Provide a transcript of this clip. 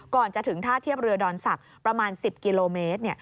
ก่อนจะถึงท่าเทียบเรือดอนศักดิ์ประมาณ๑๐กิโลเมตร